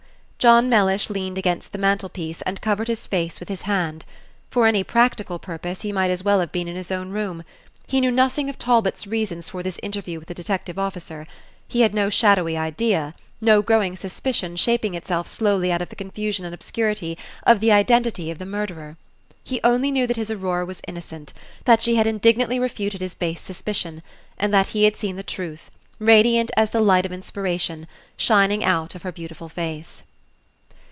John Mellish leaned against the mantle piece, and covered his face with his hand. For any practical purpose, he might as well have been in his own room. He knew nothing of Talbot's reasons for this interview with the detective officer. He had no shadowy idea, no growing suspicion shaping itself slowly out of the confusion and obscurity, of the identity of the murderer. He only knew that his Aurora was innocent; that she had indignantly refuted his base suspicion; and that he had seen the truth, radiant as the light of inspiration, shining out of her beautiful face.